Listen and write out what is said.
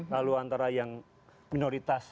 lalu antara yang minoritas